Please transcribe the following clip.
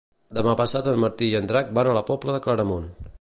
Demà passat en Martí i en Drac van a la Pobla de Claramunt.